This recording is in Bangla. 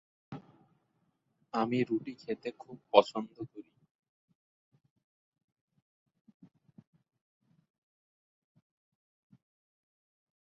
তিনি চট্টগ্রাম মহানগর আওয়ামী লীগের সহ সভাপতি।